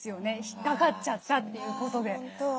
引っかかっちゃったということで。